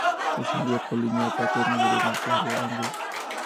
Descendía por linea paterna de los marqueses de Angulo.